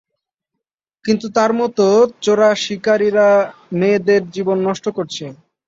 কিন্তু তার মতো চোরাশিকারিরা মেয়েদের জীবন নষ্ট করছে!